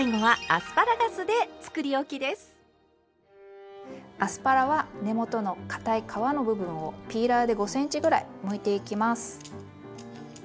アスパラは根元のかたい皮の部分をピーラーで５ｃｍぐらいむいていきます。